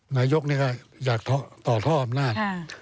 นายก็อยากต่อทออำนาจ